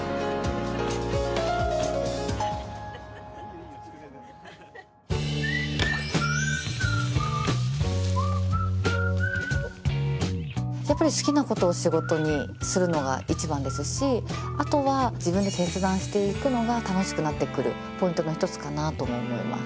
やっぱりやっぱり好きなことを仕事にするのが一番ですしあとは自分で決断していくのが楽しくなってくるポイントの一つかなとも思います。